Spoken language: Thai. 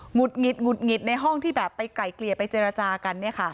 ุดหงิดหุดหงิดในห้องที่แบบไปไกลเกลี่ยไปเจรจากัน